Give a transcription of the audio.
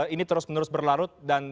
ini terus menerus berlarut dan